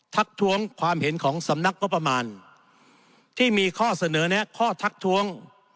ทักท้วงความเห็นของสำนักงบประมาณที่มีข้อเสนอแนะข้อทักท้วง